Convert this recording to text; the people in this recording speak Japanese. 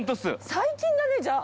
最近だねじゃあ。